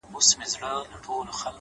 صدقه دي تر تقوا او تر سخا سم _